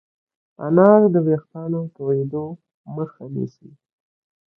انار د ويښتانو تویدو مخه نیسي.